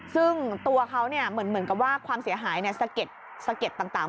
ซึ่งตัวเขาเหมือนกับว่าความเสียหายสะเก็ดต่าง